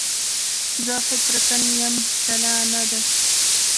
زه فطرتاً یم جلانه داسې